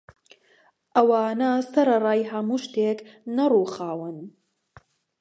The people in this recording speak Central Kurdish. ئەوانە سەرەڕای هەموو شتێک نەڕووخاون